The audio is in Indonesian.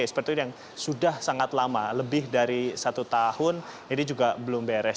seperti itu yang sudah sangat lama lebih dari satu tahun ini juga belum beres